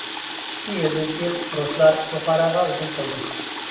ئىككى يىلدىن كېيىن رۇسلار بۇخاراغا ھۇجۇم قىلدى.